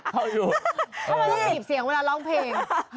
ทำไมต้องบีบเสียงเวลาร้องเพลง